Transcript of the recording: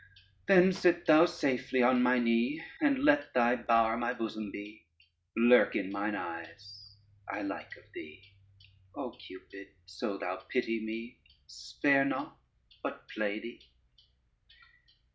Then sit thou safely on my knee, And let thy bower my bosom be; Lurk in mine eyes, I like of thee. O Cupid, so thou pity me, Spare not but play thee.